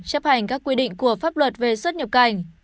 chấp hành các quy định của pháp luật về xuất nhập cảnh